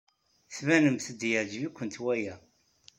Tbanemt-d yeɛjeb-ikent waya.